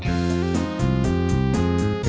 โอ้โห